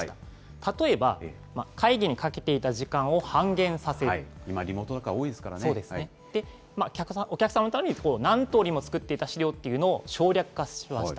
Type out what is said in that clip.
例えば、会議にかけていた時間を今、リモートとか多いですかそうですね、お客さんのために何とおりも作っていた資料っていうのを省略化しました。